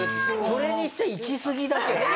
それにしちゃいきすぎだけどね。